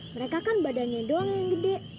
mereka kan badannya doang yang gede